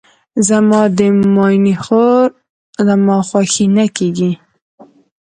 زما د ماینې خور زما خوښینه کیږي.